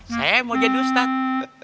saya mau jadi ustadz